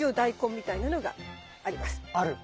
ある。